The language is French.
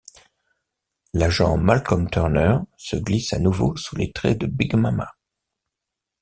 L'agent Malcom Turner se glisse à nouveau sous les traits de Big Mamma.